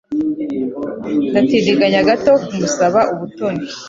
Ndatindiganya gato kumusaba ubutoni.